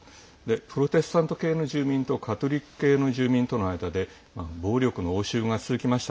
プロテスタント系の住民とカトリック系の住民との間で暴力の応酬が続きました。